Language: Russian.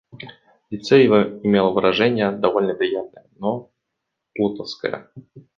Лицо его имело выражение довольно приятное, но плутовское.